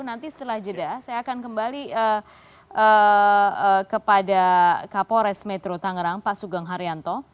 nanti setelah jeda saya akan kembali kepada kapolres metro tangerang pak sugeng haryanto